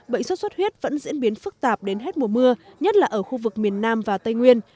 bệnh xuất xuất huyết vẫn diễn biến phức tạp đến hết mùa mưa nhất là ở khu vực miền nam và tây nguyên